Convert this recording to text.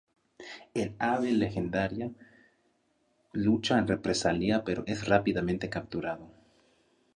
El ave legendaria lucha en represalia pero es rápidamente capturado.